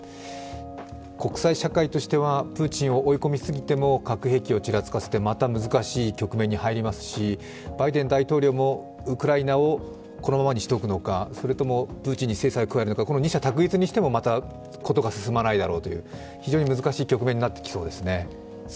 国際社会としては、プーチンを追い込みすぎても核兵器をちらつかせてまた難しい局面に入りますし、バイデン大統領も、ウクライナをこのままにしておくのか、それともプーチンに制裁を加えるのか、この二者択一にしても事が進まないだろうという、非常に難しい局面になってきそうですね。